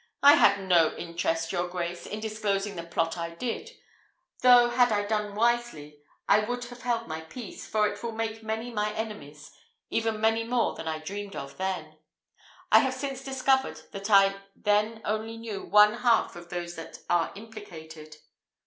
"I had no interest, your grace, in disclosing the plot I did; though, had I done wisely, I would have held my peace, for it will make many my enemies, even many more than I dreamed of then. I have since discovered that I then only knew one half of those that are implicated.